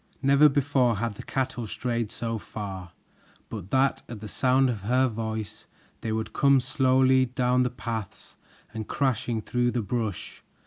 Never before had the cattle strayed so far but that at the sound of her voice they would come slowly down the paths and crashing through the brush.